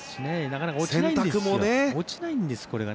なかなか落ちないんですよ。